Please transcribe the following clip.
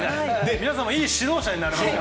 皆さんもいい指導者になれますよ。